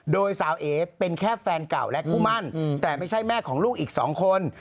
โดยสาวเอ๋เป็นแค่แฟนเก่าและคู่มั่นแต่ไม่ใช่แม่ของลูกอีก๒คน